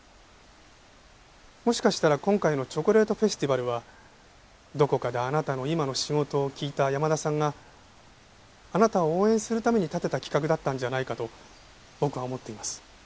もしかしたら今回のチョコレートフェスティバルはどこかであなたの今の仕事を聞いた山田さんがあなたを応援するために立てた企画だったんじゃないかと僕は思っています。